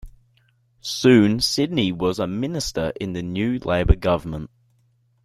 Soon Sidney was a minister in the new Labour government.